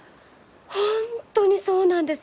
本当にそうなんです！